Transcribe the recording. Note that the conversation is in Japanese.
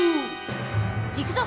いくぞ！